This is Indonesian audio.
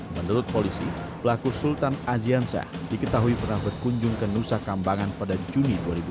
menurut polisi pelaku sultan aziansyah diketahui pernah berkunjung ke nusa kambangan pada juni dua ribu dua puluh